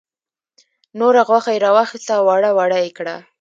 نوره غوښه یې را واخیسته او وړه وړه یې کړه.